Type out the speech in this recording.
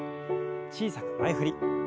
小さく前振り。